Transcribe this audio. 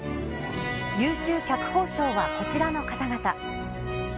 優秀脚本賞はこちらの方々。